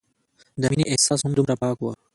د مينې احساس هم دومره پاک وو